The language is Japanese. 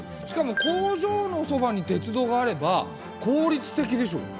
しかも工場のそばに鉄道があれば効率的でしょ。